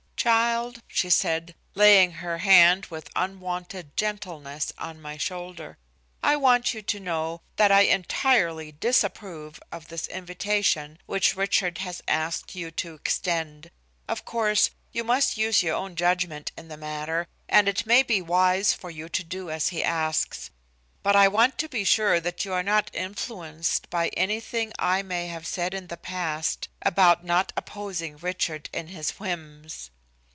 "Child," she said, laying her hand with unwonted gentleness on my shoulder. "I want you to know that I entirely disapprove of this invitation which Richard has asked you to extend. Of course, you must use your own judgment in the matter, and it may be wise for you to do as he asks. But I want to be sure that you are not influenced by anything I may have said in the past about not opposing Richard in his whims.